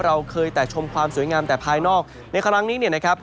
เราเคยแต่ชมความสวยงามแต่ภายนอกในครั้งนี้เนี่ยนะครับ